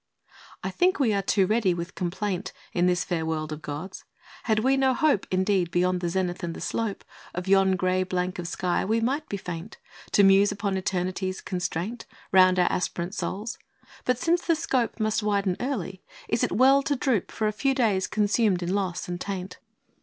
T THINK we are too ready with complaint 1 In this fair world of God's. Had we no hope Indeed beyond the zenith and the slope Of yon gray blank of sky, we might be faint To muse upon eternity's constraint Round our aspirant souls. But since the scope Must widen early, is it well to droop For a few days consumed in loss and taint?